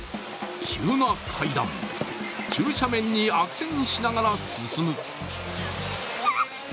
急な階段、急斜面に悪戦しながら進む。